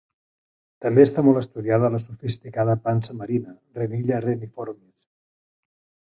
També està molt estudiada la sofisticada pansa marina "Renilla reniformis".